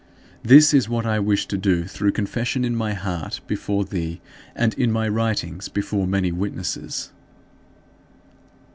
" This is what I wish to do through confession in my heart before thee, and in my writings before many witnesses.